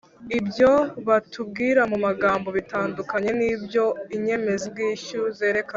Ibyo batubwira mu magambo bitandukanye nibyo Inyemezabwishyu zerekana